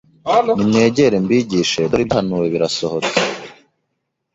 nimwegere mbigishe dore ibyahanuwe birasohotse